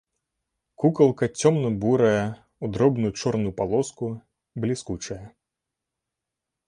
Кукалка цёмна-бурая, у дробную чорную палоску, бліскучая.